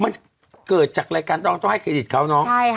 มันเกิดจากรายการต้องให้เครดิตเขาเนาะ